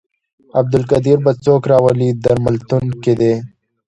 عبدالقدیر به څوک راولي درملتون کې دی.